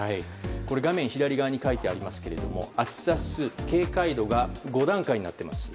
画面左側に書いてありますけど暑さ指数警戒度が５段階になっています。